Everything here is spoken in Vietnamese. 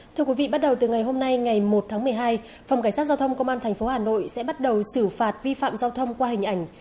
thưa quý vị bắt đầu từ ngày hôm nay ngày một tháng một mươi hai phòng cảnh sát giao thông công an tp hà nội sẽ bắt đầu xử phạt vi phạm giao thông qua hình ảnh